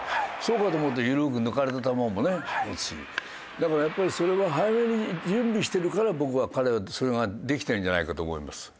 だからやっぱりそれは早めに準備してるから僕は彼はそれができてるんじゃないかと思います。